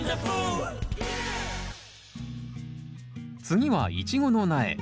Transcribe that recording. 次はイチゴの苗。